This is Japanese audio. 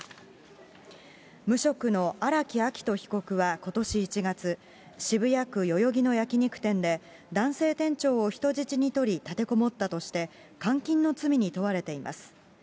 無職の荒木秋冬被告はことし１月、渋谷区代々木の焼き肉店で、男性店長を人質に取り立てこもったとして、監禁の罪に問われています。